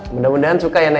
mudah mudahan suka ya nek ya